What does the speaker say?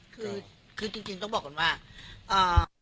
คือคือจริงจริงต้องบอกก่อนว่าอ่า